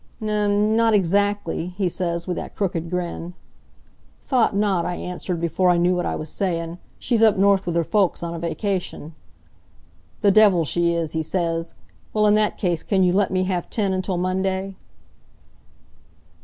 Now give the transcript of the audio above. "'N not exactly,' he says, with that crooked grin. "'Thought not,' I answered, before I knew what I was sayin'. 'She's up north with her folks on a vacation.' "'The devil she is!' he says. 'Well, in that case can you let me have ten until Monday?'"